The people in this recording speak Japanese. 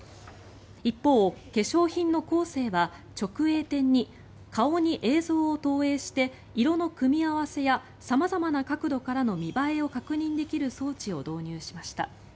一方、化粧品のコーセーは直営店に、顔に映像を投影して色の組み合わせや様々な角度からの見栄えを確認できる装置を導入しました。